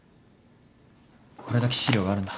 これだけ資料があるんだ。